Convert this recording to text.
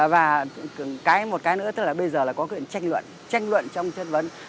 và một cái nữa tức là bây giờ là có cái tranh luận tranh luận trong chất vấn